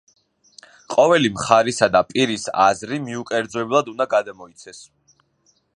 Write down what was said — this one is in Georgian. ყოველი მხარისა და პირის აზრი მიუკერძოებლად უნდა გადმოიცეს.